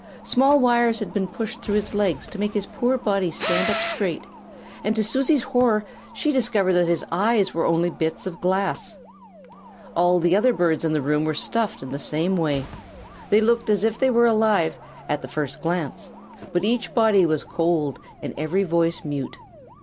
Small wires had been pushed through his legs to make his poor body stand up straight, and to Susie's horror she discovered that his eyes were only bits of glass! All the other birds in the room were stuffed in the same way. They looked as if they were alive, at the first glance; but each body was cold and every voice mute.